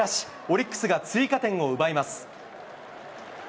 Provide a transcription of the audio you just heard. オリックスが追加点を奪います。